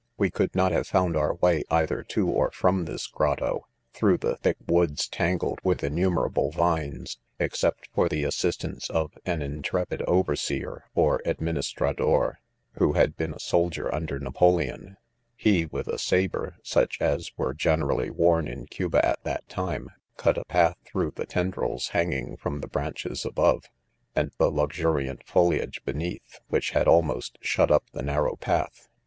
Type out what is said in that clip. We could not have found our way, either to. or from this grotto, (through the thick woods tangled with innu merable vines,) except for the assistance of an intrepid k5 2^6 NOTES. nverUtf, tst " adininistrador, who had been a soldi ef under Napoleon ; he, (with a sabre, such as were gene« rally worn in Cuba at that time,) cut a path through the tendrils hanging 1 from the branches above, and the luxu riant foliage beneath, which had almost shut up the nar* row path.